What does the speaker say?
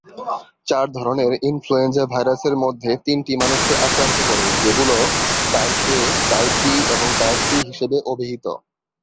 চার ধরনের ইনফ্লুয়েঞ্জা ভাইরাসের মধ্যে তিনটি মানুষকে আক্রান্ত করে যেগুলো টাইপ এ, টাইপ বি, এবং টাইপ সি হিসেবে অভিহিত।